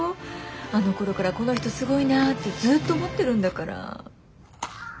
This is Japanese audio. あのころからこの人すごいなぁってずっと思ってるんだから。